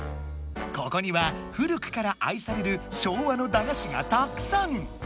ここには古くから愛される昭和のだがしがたくさん！